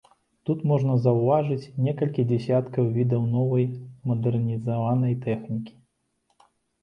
Тут можна заўважыць некалькі дзясяткаў відаў новай і мадэрнізаванай тэхнікі.